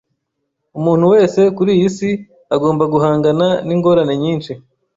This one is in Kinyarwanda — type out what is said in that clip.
Umuntu wese kuri iyi si agomba guhangana ningorane nyinshi.